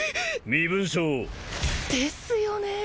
身分証をですよね